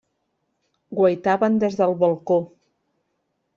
Guaitaven des del balcó.